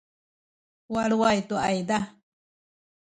waluay tu ayza